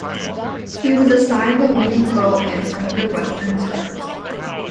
He was assigned the leading role in "Under Western Stars".